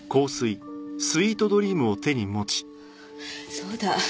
そうだ。